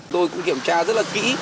tôi cũng kiểm tra rất là kỹ